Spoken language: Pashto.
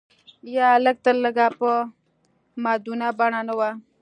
یا لږ تر لږه په مدونه بڼه نه و.